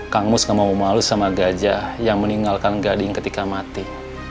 kang mus gak mau malu sama gajah yang meninggalkan gading ketika mati